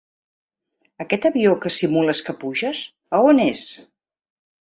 Aquest avió que simules que puges, a on és?